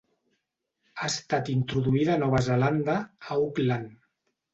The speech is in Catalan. Ha estat introduïda a Nova Zelanda, a Auckland.